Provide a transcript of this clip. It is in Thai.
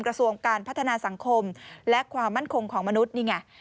กระทรวงการพัฒนาสังคมและความมั่นคงของมนุษย์นี่ไง